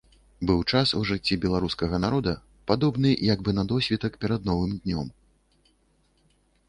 Быў час у жыцці беларускага народа, падобны як бы на досвітак перад новым днём.